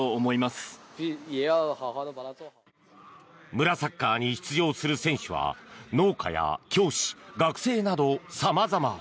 村サッカーに出場する選手は農家や教師、学生など様々。